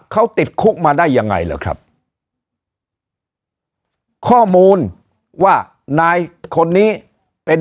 เขาติดคุกมาได้ยังไงเหรอครับข้อมูลว่านายคนนี้เป็น